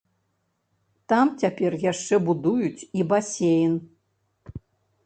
Там цяпер яшчэ будуюць і басейн.